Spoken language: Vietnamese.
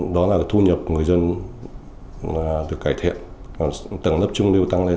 đó là tất cả những người dân được cải thiện tầng lớp trung lưu tăng lên